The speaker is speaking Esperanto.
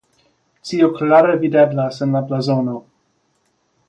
Tio klare videblas en la blazono.